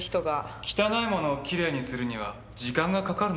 汚いものをきれいにするには時間がかかるのにね。